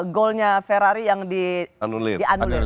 golnya ferrari yang di anulir